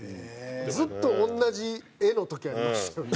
ずっと同じ絵の時ありましたよね。